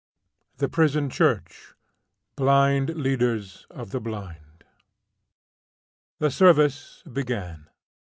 THE PRISON CHURCH BLIND LEADERS OF THE BLIND. The service began.